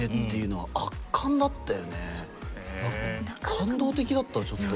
感動的だったちょっと。